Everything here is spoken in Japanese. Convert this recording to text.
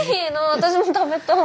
私も食べたい。